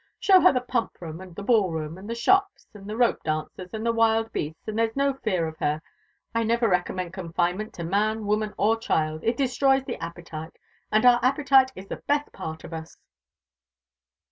Show her the pump room, and the ball room, and the shops, and the rope dancers, and the wild beasts, and there's no fear of her. I never recommend confinement to man, woman, or child. It destroys the appetite and our appetite is the best part of us.